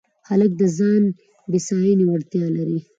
هلک د ځان بساینې وړتیا لري.